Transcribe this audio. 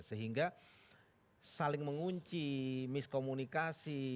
sehingga saling mengunci miskomunikasi